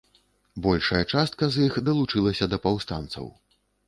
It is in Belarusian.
Большая частка з іх далучылася да паўстанцаў.